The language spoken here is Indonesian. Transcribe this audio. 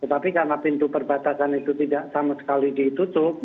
tetapi karena pintu perbatasan itu tidak sama sekali ditutup